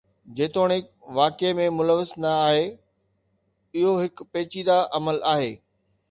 جيتوڻيڪ واقعي ۾ ملوث نه آهي، اهو هڪ پيچيده عمل آهي.